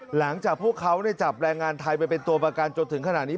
หลังจากพวกเขาจับแรงงานไทยไปเป็นตัวประกันจนถึงขนาดนี้